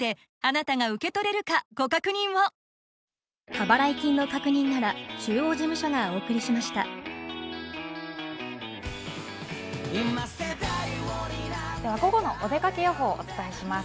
この後、動かしま午後のお出かけ予報をお伝えします。